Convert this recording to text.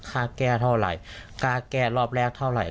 ค่าแก้เท่าไหร่ค่าแก้รอบแรกเท่าไหร่